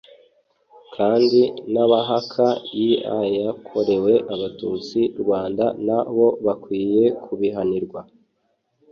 kandi n’abahaka iaykorewe Abatutsi Rwanda na bo bakwiye kubihanirwa